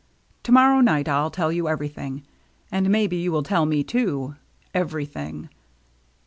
To morrow night I'll tell you everything. And maybe you will tell me too — everything.